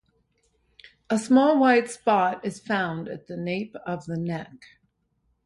A small white spot is found at the nape of the neck.